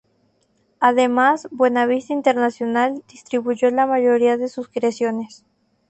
Además Buena Vista International distribuyó la mayoría de sus creaciones.